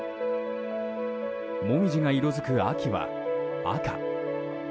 モミジが色づく秋は赤。